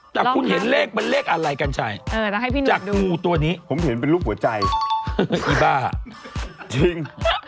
แต่คุณเห็นเลขมันเลขอะไรกันชัยจากงูตัวนี้ผมเห็นเป็นรูปหัวใจอีบ้าจริง